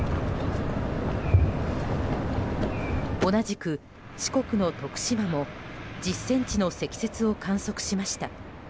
同じく四国の徳島も１０ｃｍの積雪を観測しました。